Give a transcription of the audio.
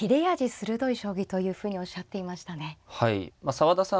澤田さん